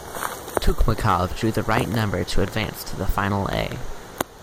Tukmakov drew the right number to advance to the Final A.